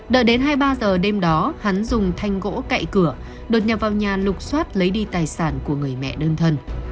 đợi đến hai mươi ba giờ đêm đó hắn dùng thanh gỗ cậy cửa đột nhập vào nhà lục xoát lấy đi tài sản của người mẹ đơn thân